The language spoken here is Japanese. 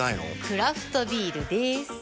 クラフトビールでーす。